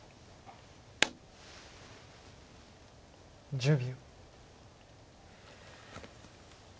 １０秒。